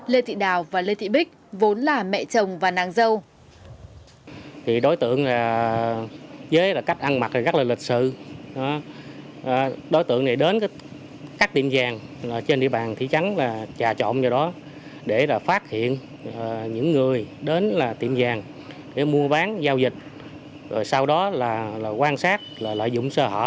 lê thị đào và lê thị bích vốn là mẹ chồng và nàng dâu